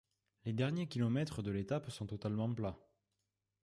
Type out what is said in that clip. Les derniers kilomètres de l'étape sont totalement plats.